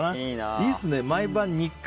いいですね、毎晩の日課。